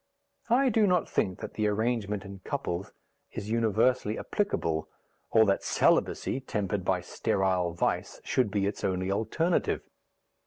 I do not think that the arrangement in couples is universally applicable, or that celibacy (tempered by sterile vice) should be its only alternative.